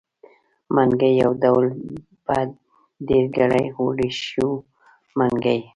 منګی يو ډول په ډېرګړي اړولی شو؛ منګي.